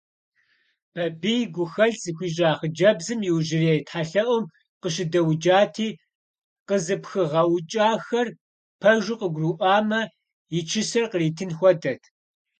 Бабий гухэлъ зыхуищӀа хъыджэбзым иужьрей тхьэлъэӀум къыщыдэуджати, къызыпхигъэӀукӀахэр пэжу къыгурыӀуамэ, и чысэр къритын хуэдэт.